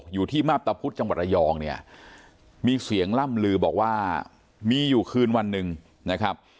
อยู่ที่มาพตะพุธจังหวัดระยองเนี่ยมีเสียงล่ำลือบอกว่ามีอยู่คืนวันหนึ่งนะครับ